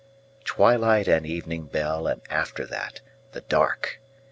Twilight and evening bell, And after that the dark!